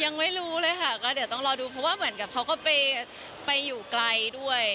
ยังไม่รู้เลยค่ะก็เดี๋ยวต้องรอดูเพราะว่าเหมือนกับเขาก็ไปอยู่ไกลด้วย